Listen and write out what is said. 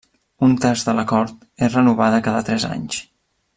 Un terç de la Cort és renovada cada tres anys.